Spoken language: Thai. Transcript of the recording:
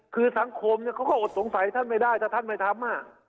คือสังคมเขาก็อดสงสัยท่านไม่ได้ถ้าท่านไม่ทำ